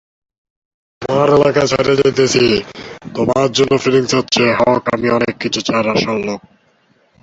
উদাহরণ: রহিম ও করিম এই কাজটি করেছে।